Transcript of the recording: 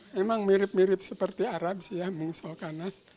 memang mirip mirip seperti arab sih ya mungsolkanas